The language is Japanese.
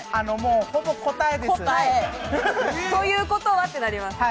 ほぼ答えです。ということはってなります。